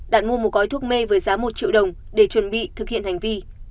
đạt mua một gói thuốc mê với giá một triệu đồng để chuẩn bị thực hiện hành vi